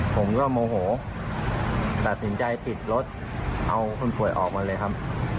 ผมก็โมโหตัดสินใจปิดรถเอาคนป่วยออกมาเลยครับ